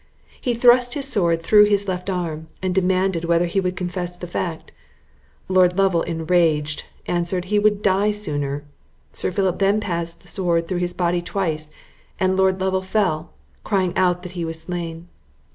He thrust his sword through his left arm, and demanded, whether he would confess the fact? Lord Lovel enraged, answered, he would die sooner. Sir Philip then passed the sword through his body twice, and Lord Lovel fell, crying out that he was slain.